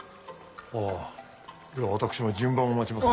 ああでは私も順番を待ちまする。